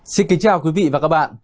xin kính chào quý vị và các bạn